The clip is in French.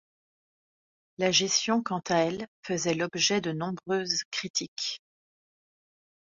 La gestion quant à elle faisait l'objet de nombreuses critiques.